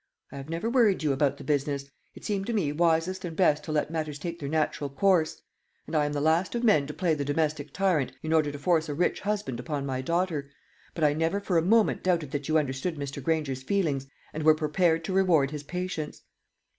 I have never worried you about the business; it seemed to me wisest and best to let matters take their natural course; and I am the last of men to play the domestic tyrant in order to force a rich husband upon my daughter; but I never for a moment doubted that you understood Mr. Granger's feelings, and were prepared to reward his patience."